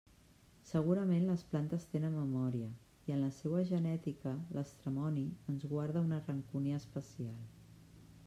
Segurament les plantes tenen memòria, i en la seua genètica l'estramoni ens guarda una rancúnia especial.